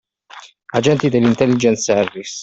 Agenti dell’Intelligence Service